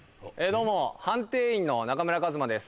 どうも判定員の中村カヅマです